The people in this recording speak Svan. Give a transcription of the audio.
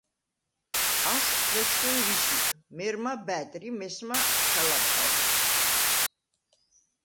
აშხვ ხეჟხჷნ ვისიბ, მერმა ბა̈დრ ი მესმა ჩალა̈მკალა̈მ.